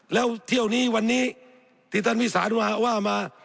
แล้วเที่ยวนี้วันนี้ที่ท่านวิสานมาว่ามา